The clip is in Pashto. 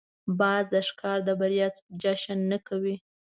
باز د ښکار د بریا جشن نه کوي